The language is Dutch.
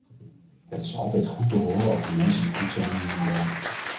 Het is altijd goed te horen over mensen die goed zijn in hun werk.